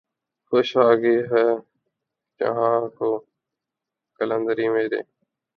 خوش آ گئی ہے جہاں کو قلندری میری